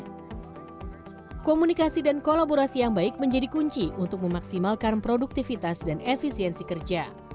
komunikasi dan kolaborasi yang baik menjadi kunci untuk memaksimalkan produktivitas dan efisiensi kerja